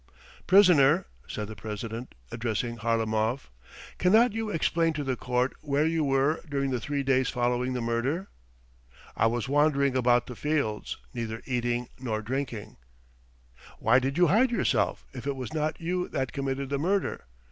"Prisoner," said the president, addressing Harlamov, "cannot you explain to the court where you were during the three days following the murder?" "I was wandering about the fields. ... Neither eating nor drinking ...." "Why did you hide yourself, if it was not you that committed the murder?"